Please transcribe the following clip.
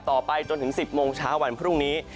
ต่อไปจนถึง๑๐โมงเช้าวันพรุ่งนี้